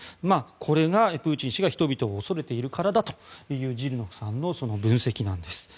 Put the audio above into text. これがプーチン氏が人々を恐れているからだというジルノフさんの分析なんです。